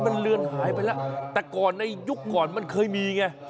มันเลือนหายไปแล้วแต่ก่อนในยุคก่อนมันเคยมีไง